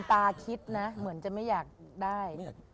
ตาคิดนะเหมือนจะไม่อยากได้